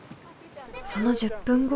その１０分後。